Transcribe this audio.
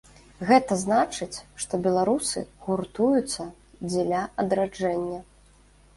Гэта значыць, што беларусы гуртуюцца дзеля адраджэння.